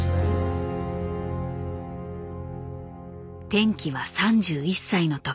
転機は３１歳の時。